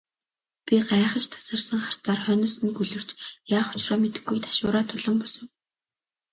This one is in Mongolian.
Би гайхаш тасарсан харцаар хойноос нь гөлөрч, яах учраа мэдэхгүй ташуураа тулан босов.